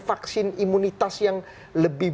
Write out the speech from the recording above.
vaksin imunitas yang lebih